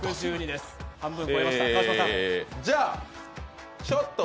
半分越えました。